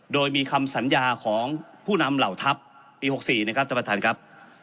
โดยมีคำสัญญาของผู้นำเหล่าทัพปี๖๔นะครับท่านประธานครับ